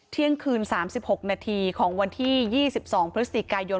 เที่ยงคืน๓๖นาทีของวันที่๒๒พฤศจิกายน